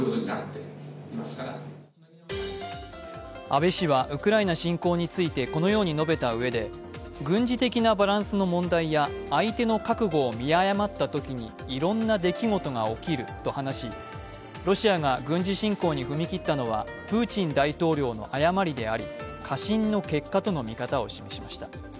安倍氏はウクライナ侵攻についてこのように述べたうえで軍事的なバランスの問題や相手の覚悟を見誤ったときにいろんな出来事が起きると話しロシアが軍事侵攻に踏み切ったのはプーチン大統領の誤りであり、過信の結果との見方を示しました。